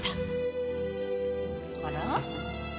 あら？